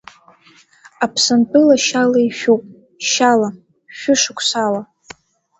Аԥсынтәыла шьала ишәуп, шьала, шәышықәсала.